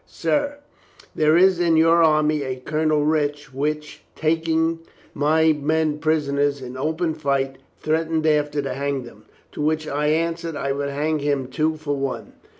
Sir — There is in your army a Colonel Rich, which, taking my men prisoners in open fight, threatened after to hang them. To which I an swered I would hang him two for one.